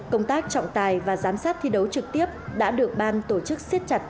công tác trọng tài và giám sát thi đấu trực tiếp đã được ban tổ chức siết chặt